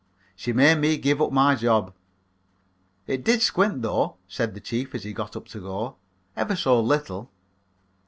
She made me give up my job. It did squint, though," said the chief, as he got up to go, "ever so little."